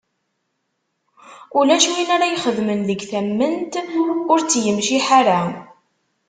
Ulac win ara ixedmen deg tament ur tt-yemciḥ ara.